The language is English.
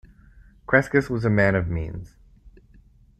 Crescas was a man of means.